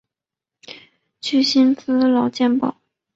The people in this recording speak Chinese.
具薪资劳健保